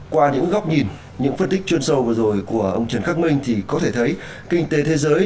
qua những góc nhìn những phân tích chuyên sâu vừa rồi của ông trần khắc minh thì có thể thấy kinh tế thế giới